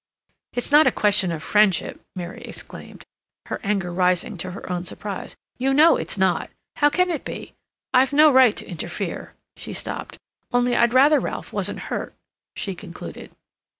"It's not a question of friendship," Mary exclaimed, her anger rising, to her own surprise. "You know it's not. How can it be? I've no right to interfere—" She stopped. "Only I'd rather Ralph wasn't hurt," she concluded.